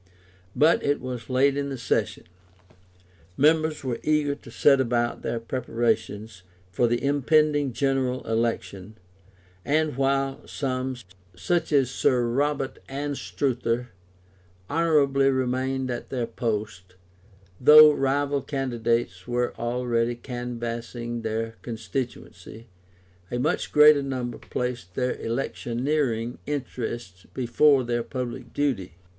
But it was late in the session; members were eager to set about their preparations for the impending General Election: and while some (such as Sir Robert Anstruther) honourably remained at their post, though rival candidates were already canvassing their constituency, a much greater number placed their electioneering interests before their public duty.